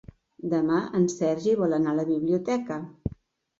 Demà en Sergi vol anar a la biblioteca.